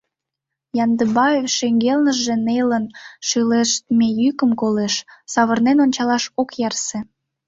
Яндыбаев шеҥгелныже нелын шӱлештме йӱкым колеш, савырнен ончалаш ок ярсе.